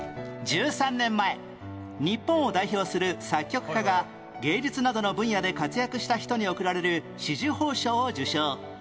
１３年前日本を代表する作曲家が芸術などの分野で活躍した人に贈られる紫綬褒章を受章